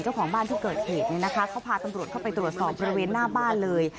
เจ้าของบ้านที่เกิดเหตุเนี่ยนะคะเขาพาตำรวจเข้าไปตรวจสอบบริเวณหน้าบ้านเลย